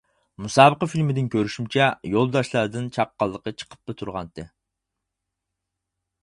مۇسابىقە فىلىمىدىن كۆرۈشۈمچە يولداشلاردىن چاققانلىقى چىقىپلا تۇرغانتى.